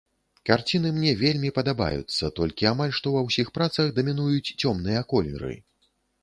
Карціны мне вельмі падабаюцца, толькі амаль што ва ўсіх працах дамінуюць цёмныя колеры.